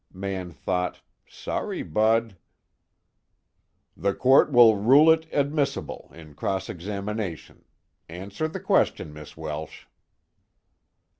Mann thought: Sorry, Bud! "The Court will rule it admissible in cross examination. Answer the question, Miss Welsh."